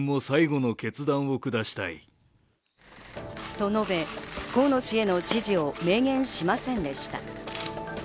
と述べ、河野氏への支持を明言しませんでした。